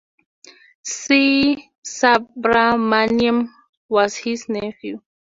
C. Subramaniam, was his nephew.